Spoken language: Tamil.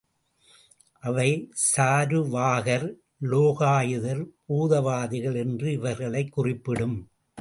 அவை சாருவாகர், லோகாயதர், பூதவாதிகள் என்று இவர்களைக் குறிப்பிடும்.